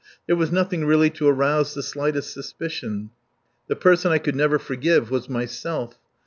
There was nothing really to arouse the slightest suspicion. The person I could never forgive was myself.